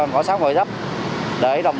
gõ sát ngồi đắp để